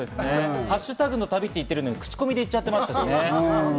ハッシュタグの旅って言ってますけれども、口コミで行っちゃってますからね。